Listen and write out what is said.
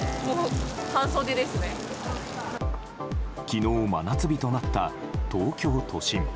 昨日、真夏日となった東京都心。